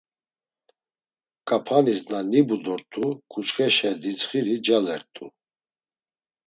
K̆apanis na nibu dort̆u ǩuçxeşe dintzxiri calert̆u.